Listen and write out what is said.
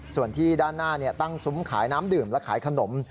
ส่วนที่ด้านหน้าตั้งซุ้มขายน้ำดื่มและขายขนม